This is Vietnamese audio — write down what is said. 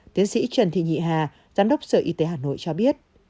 tiến sĩ trần thị nhị hà giám đốc sở y tế hà nội cho biết